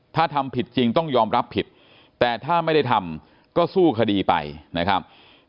ถ้าทำผิดจริงต้องยอมรับผิดแต่ถ้าไม่ได้ทำก็สู้คดีไปนะครับ